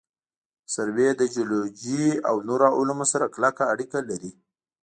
سروې له جیولوجي او نورو علومو سره کلکه اړیکه لري